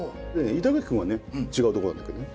板垣君はね違うとこなんだけどね。